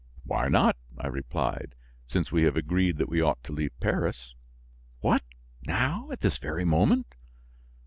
"Why not," I replied, "since we have agreed that we ought to leave Paris?" "What! now? At this very moment?"